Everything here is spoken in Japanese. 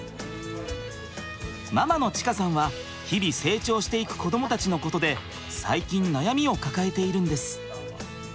ママの知香さんは日々成長していく子どもたちのことで最近悩みを抱えているんです。